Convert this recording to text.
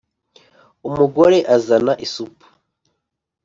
umugore azana isupu ,